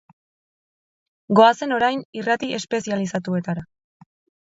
Goazen orain irrati espezializatuetara.